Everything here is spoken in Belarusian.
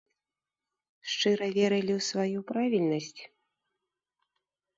Шчыра верылі ў сваю правільнасць?